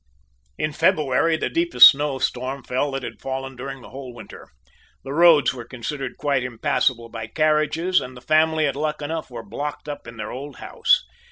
In February the deepest snow storm fell that had fallen during the whole winter. The roads were considered quite impassable by carriages, and the family at Luckenough were blocked up in their old house.